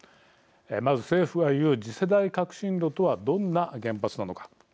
まず、政府がいう次世代革新炉とはどんな原発なのか。